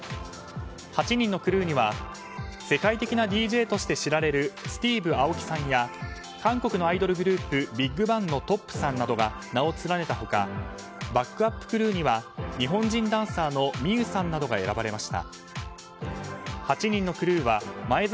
８人のクルーには世界的なＤＪとして知られるＳｔｅｖｅＡｏｋｉさんや韓国のアイドルグループＢＩＧＢＡＮＧのＴ．Ｏ．Ｐ．さんなどが名を連ねた他バックアップクルーには日本人ダンサーのＭｉｙｕさんなどが選ばれました。